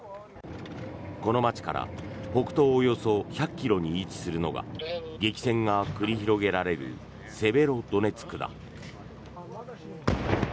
この街から北東およそ１００ｋｍに位置するのが激戦が繰り広げられるセベロドネツクだ。